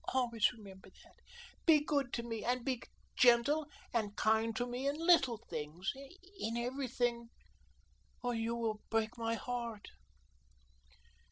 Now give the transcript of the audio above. Always remember that. Be good to me and be gentle and kind to me in LITTLE things, in everything, or you will break my heart."